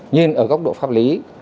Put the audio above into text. nhưng ở góc độ pháp lý